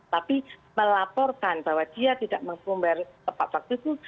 tapi melaporkan bahwa dia tidak membayar tepat waktu itu